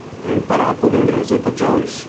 Ha imparato l'inglese da Joyce.